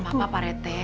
gak apa apa pak rete